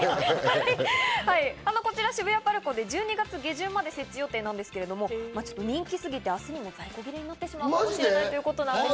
渋谷ＰＡＲＣＯで１２月下旬まで設置予定なんですけど、人気すぎて明日にも在庫切れになってしまうかもしれないということです。